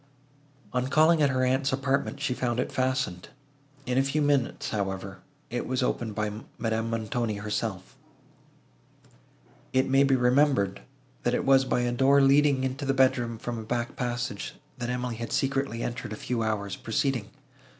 On calling at her aunt's apartment, she found it fastened. In a few minutes, however, it was opened by Madame Montoni herself. It may be remembered, that it was by a door leading into the bedroom from a back passage, that Emily had secretly entered a few hours preceding.